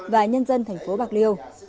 và nhân dân thành phố bạc liêu